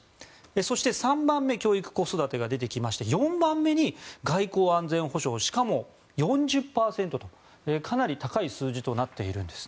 そして３番目教育・子育てが出てきまして４番目に外交・安全保障しかも４０％とかなり高い数字となっているんです。